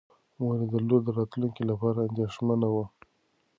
مور یې د لور د راتلونکي لپاره اندېښمنه وه.